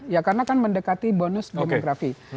ya karena kan mendekati bonus demografi